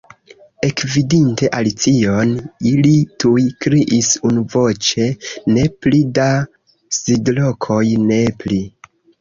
Ekvidinte Alicion, ili tuj kriis unuvoĉe. "Ne pli da sidlokoj, ne pli!"